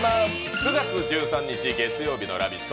９月１３日月曜日の「ラヴィット！」